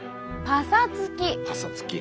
パサつき。